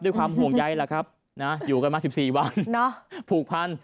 ด้วยความห่วงใยแหละครับอยู่กันมา๑๔วันผูกพัน